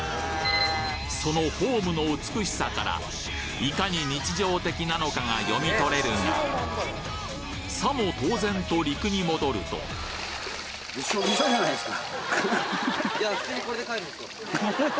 そのフォームの美しさからいかに日常的なのかが読み取れるがさも当然と陸に戻るとどうっすか？